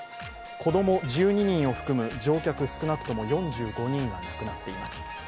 子供１２人を含む乗客少なくとも４５人が亡くなっています。